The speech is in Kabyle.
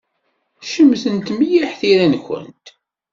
Cemtent mliḥ tira-nkent.